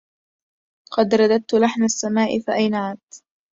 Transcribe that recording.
قد رددت لحن السمـاء فأينعـت